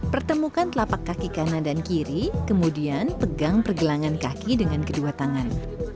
pertemukan telapak kaki kanan dan kiri kemudian pegang pergelangan kaki dengan kedua tangan